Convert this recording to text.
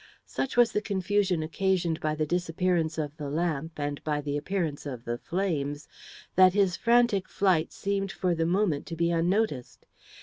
Such was the confusion occasioned by the disappearance of the lamp, and by the appearance of the flames, that his frantic flight seemed for the moment to be unnoticed.